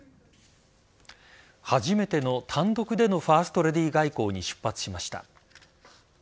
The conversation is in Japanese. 初めての単独でのファーストレディー外交に出発しました。